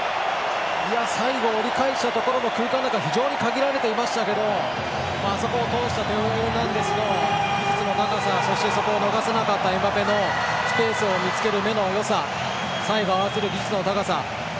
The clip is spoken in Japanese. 最後、折り返したところの空間なんかは非常に限られていましたけどあそこを通したテオ・エルナンデスの技術の高さ、そしてそこを逃さなかったエムバペのスペースを見つける目のよさ、最後合わせる技術の高さ。